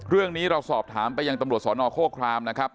เรื่องนี้เราสอบถามไปยังตำรวจสนโคครามนะครับ